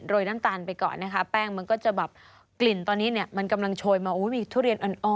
โดยน้ำตาลไปก่อนนะคะแป้งมันก็จะแบบกลิ่นตอนนี้เนี่ยมันกำลังโชยมามีทุเรียนอ่อน